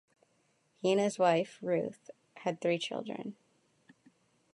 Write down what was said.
He and his wife, Ruth, had three children.